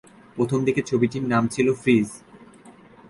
প্রথম দিকে ছবিটির নাম ছিল "ফ্রিজ"।